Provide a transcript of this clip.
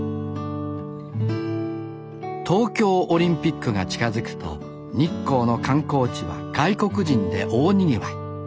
東京オリンピックが近づくと日光の観光地は外国人で大にぎわい。